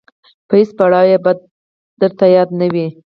په هیڅ پړاو یې بد درته یاد نه وي.